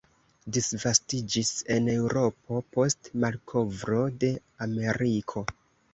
Disvastiĝis en Eŭropo post malkovro de Ameriko.